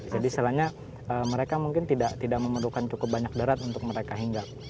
jadi soalnya mereka mungkin tidak memerlukan cukup banyak darat untuk mereka hingga